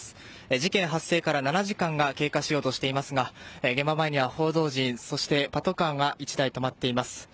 事件発生から７時間が経過しようとしていますが現場前には報道陣そしてパトカーが１台止まっています。